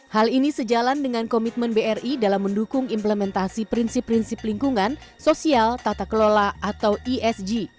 hal ini sejalan dengan komitmen bri dalam mendukung implementasi prinsip prinsip lingkungan sosial tata kelola atau esg